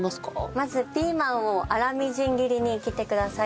まずピーマンを粗みじん切りに切ってください。